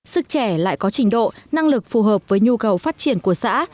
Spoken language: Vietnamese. sức trẻ lại có trình độ năng lực phù hợp với nhu cầu phát triển của xã